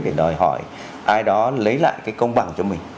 để đòi hỏi ai đó lấy lại cái công bằng cho mình